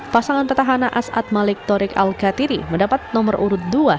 pasangan petahana as'ad malik torik al katiri mendapat nomor urut dua